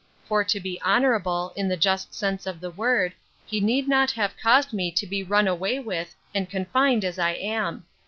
For to be honourable, in the just sense of the word, he need not have caused me to be run away with, and confined as I am.